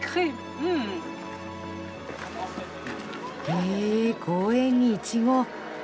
へえ公園にイチゴ。